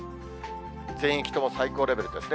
全域とも最高レベルですね。